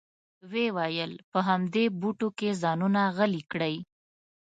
وې ویل په همدې بوټو کې ځانونه غلي کړئ.